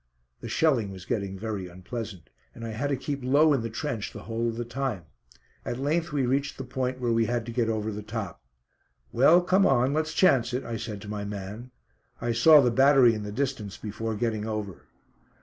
The shelling was getting very unpleasant, and I had to keep low in the trench the whole of the time. At length we reached the point where we had to get over the top. "Well, come on, let's chance it," I said to my man. I saw the battery in the distance before getting over.